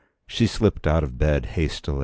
She slipped out of bed hastily.